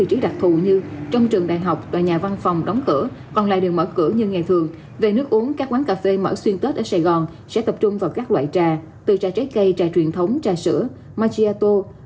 trang trí đặc thù như trong trường đại học tòa nhà văn phòng đóng cửa còn lại được mở cửa như ngày thường về nước uống các quán cà phê mở xuyên tết ở sài gòn sẽ tập trung vào các loại trà từ trà trái cây trà truyền thống trà sữa machiato